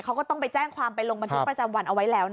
เขาก็ต้องไปแจ้งความไปลงบันทึกประจำวันเอาไว้แล้ว